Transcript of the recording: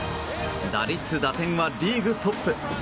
打率、打点はリーグトップ。